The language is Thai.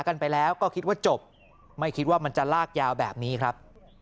กันไปแล้วก็คิดว่าจบไม่คิดว่ามันจะลากยาวแบบนี้ครับ